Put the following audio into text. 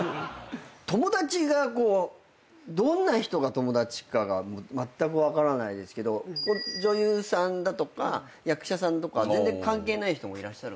友達がどんな人が友達かがまったく分からないですけど女優さんだとか役者さんとか全然関係ない人もいらっしゃる？